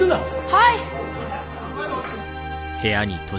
はい！